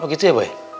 oh gitu ya boy